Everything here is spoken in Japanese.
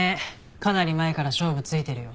かなり前から勝負ついてるよ。